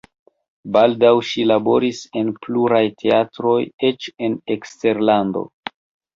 Baldaŭ ŝi laboris en pluraj teatroj eĉ en eksterlando.